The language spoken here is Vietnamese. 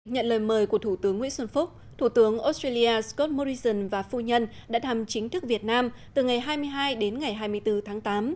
nhận lời mời của thủ tướng nguyễn xuân phúc thủ tướng australia scott morrison và phu nhân đã thăm chính thức việt nam từ ngày hai mươi hai đến ngày hai mươi bốn tháng tám